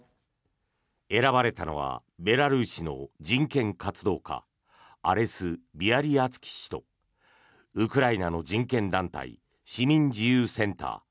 選ばれたのはベラルーシの人権活動家アレス・ビアリアツキ氏とウクライナの人権団体市民自由センター